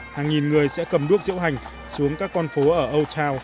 nhiều nghìn người sẽ cầm đuốc rượu hành xuống các con phố ở old town